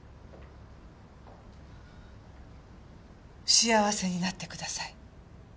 幸せになってください。